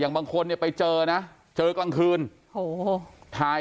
อย่างบางคนเนี่ยไปเจอนะเจอกลางคืนโหอะ